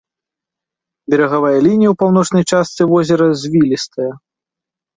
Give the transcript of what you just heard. Берагавая лінія ў паўночнай частцы возера звілістая.